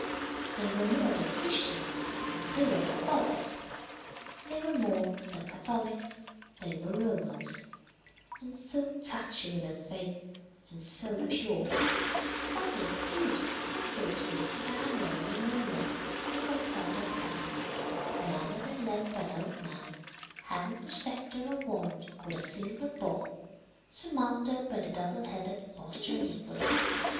They were more than Christians, they were Catholics; they were more than Catholics, they were Romans, and so touchy in their faith, and so pure, that they refused to associate with the Hungarian nomads of the comitate of Pesth, commanded and led by an old man, having for sceptre a wand with a silver ball, surmounted by the double headed Austrian eagle.